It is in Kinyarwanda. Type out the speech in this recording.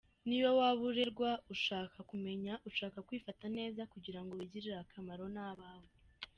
Niyo waba urerwa, ushaka kumenya, ushaka kwifata neza kugira ngo wigirire akamaro n’abawe.